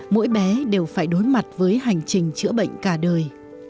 mỗi bé đều phải đối mặt với hành trình chữa bệnh cả đời